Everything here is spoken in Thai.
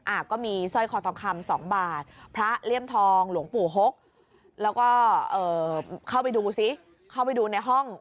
อ่ะก็มีสร้อยคอทองคำสองบาทพระเลี่ยมทองหลวงปู่หกแล้วก็เอ่อเข้าไปดูซิเข้าไปดูในห้อง